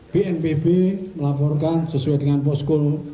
bnpb melaporkan sesuai dengan posko